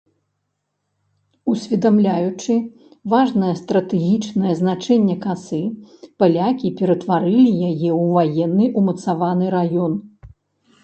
Усведамляючы важнае стратэгічнае значэнне касы, палякі ператварылі яе ў ваенны умацаваны раён.